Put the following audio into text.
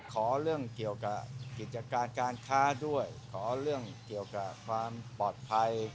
ขอเรื่องเกี่ยวกับกิจการการค้าด้วยขอเรื่องเกี่ยวกับความปลอดภัย